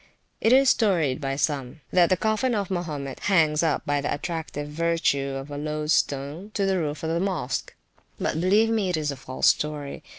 It is storied by some, that the coffin of Mahomet hangs up by the attractive virtue of a loadstone to the roof of the Mosque; but believe me it is a false story.